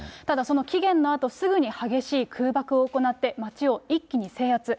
ただ、その期限のあとすぐに激しい空爆を行って、町を一気に制圧。